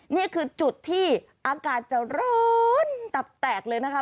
นี่คือจุดที่อากาศจะร้อนตับแตกเลยนะคะ